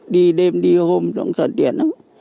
đi đêm đi hôm nó cũng thuận tiện lắm